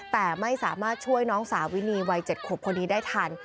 แต่ไม่สามารถช่วยน้องสาวินีวัย๗ขวบคนนี้ได้ทัน